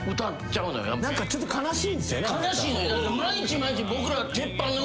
何かちょっと悲しいんすよね。